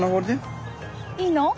いいの？